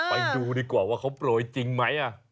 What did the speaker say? ไปดูดีกว่าว่าเขาโปรยจริงไหม